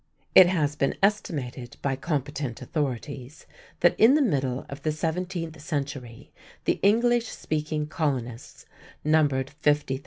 It has been estimated by competent authorities that in the middle of the seventeenth century the English speaking colonists numbered 50,000.